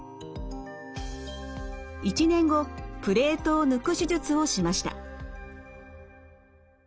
１年後プレートを抜く手術をしました。